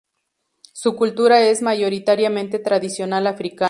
Su cultura es mayoritariamente tradicional africana.